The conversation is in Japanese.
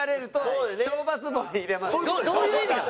どういう意味なの？